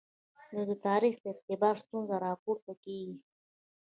نو د تاریخ د اعتبار ستونزه راپورته کېږي.